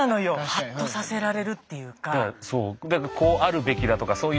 ハッとさせられるっていうか。